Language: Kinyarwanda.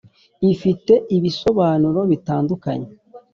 ifite ibisobanuro bitandukanye